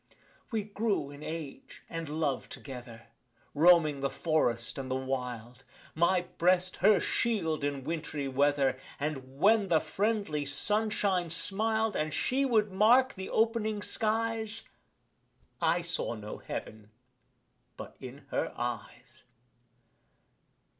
We grew in age and love together, Roaming the forest, and the wild; My breast her shield in wintry weather And, when the friendly sunshine smil'd And she would mark the opening skies, I saw no Heaven but in her eyes.